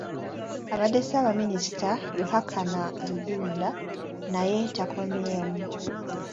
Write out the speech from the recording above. Abadde ssaabaminisita Ruhakana Rugunda naye takommyewo.